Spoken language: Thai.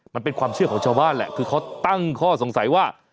มันเป็นความเชื่อของชาวบ้านแหละคือเขาตั้งข้อสงสัยว่า